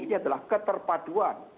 ini adalah keterpaduan